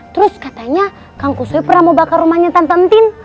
terus katanya kang kusoy pernah mau bakar rumahnya tenten tin